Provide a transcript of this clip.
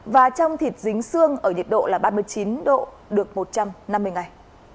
và trong thịt dính xương ở nhiệt độ là ba mươi chín độ được một trăm năm mươi ngày